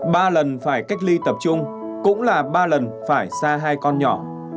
ba lần phải cách ly tập trung cũng là ba lần phải xa hai con nhỏ